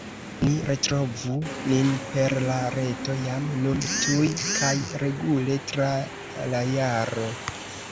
Ni retrovu nin per la Reto jam nun tuj kaj regule tra la jaro!